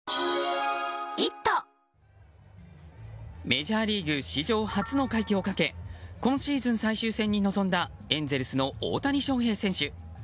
メジャーリーグ史上初の快挙をかけ今シーズン最終戦に臨んだエンゼルスの大谷翔平選手。